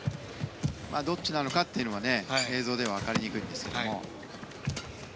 どっちなのかというのは映像では分かりづらいですけど。